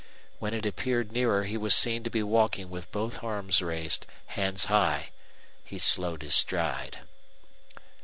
When it appeared nearer he was seen to be walking with both arms raised, hands high. He slowed his stride.